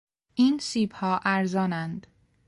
این سیبها ارزانند.